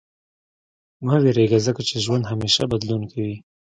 • مه وېرېږه، ځکه چې ژوند همېشه بدلون کوي.